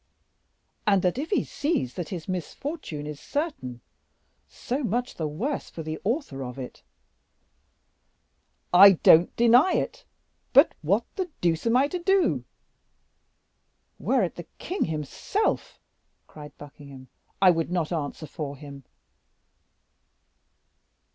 "And that if he sees that his misfortune is certain, so much the worse for the author of it." "I don't deny it; but what the deuce am I to do?" "Were it the king himself," cried Buckingham, "I would not answer for him."